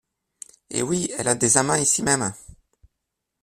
Eh oui ! elle a des amants ici même.